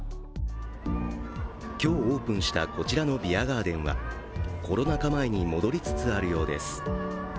今日、オープンしたこちらのビアガーデンはコロナ禍前に戻りつつあるようです。